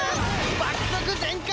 爆速全開！